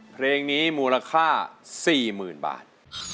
เพลงนี้มูลค่า๔๐๐๐บาท